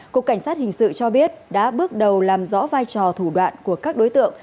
cục cảnh sát hình sự cho biết đã bước đầu làm rõ vai trò thủ đoạn của các đối tượng